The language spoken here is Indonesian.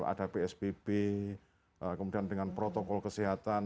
ada psbb kemudian dengan protokol kesehatan